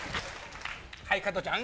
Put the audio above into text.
はい加トちゃん。